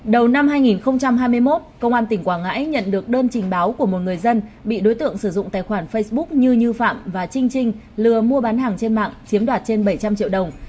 đầu năm hai nghìn hai mươi một công an tỉnh quảng ngãi nhận được đơn trình báo của một người dân bị đối tượng sử dụng tài khoản facebook như phạm và trinh trinh lừa mua bán hàng trên mạng chiếm đoạt trên bảy trăm linh triệu đồng